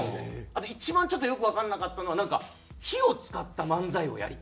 あと一番ちょっとよくわかんなかったのはなんか「火を使った漫才をやりたい」。